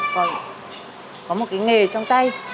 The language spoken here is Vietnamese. có một cái nghề trong tay